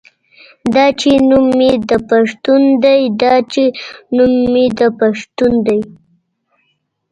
دا چې نوم مې د پښتون دے دا چې نوم مې د پښتون دے